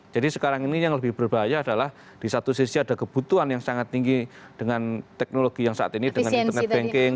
jadi sekarang ini yang lebih berbahaya adalah di satu sisi ada kebutuhan yang sangat tinggi dengan teknologi yang saat ini dengan internet banking